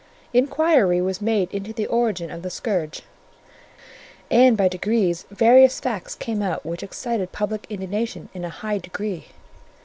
Inquiry was made into the origin of the scourge, and by degrees various facts came out which excited public indignation in a high degree.